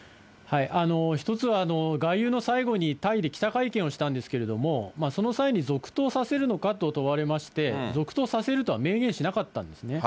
一つは外遊の最後にタイで記者会見をしたんですけれども、その際に続投させるのかと問われまして、続投させるとは明言しなかったんですね。